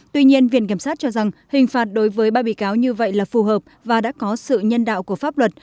tuy nhiên viện kiểm sát cho rằng hình phạt đối với ba bị cáo như vậy là phù hợp và đã có sự nhân đạo của pháp luật